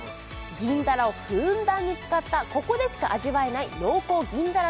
銀だらをふんだんに使ったここでしか味わえない濃厚銀だら